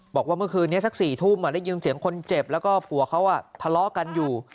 บอกว่าเมื่อคืนนี้สัก๔ทุ่มได้ยินเสียงคนเจ็บแล้วก็ผัวเขาทะเลาะกันอยู่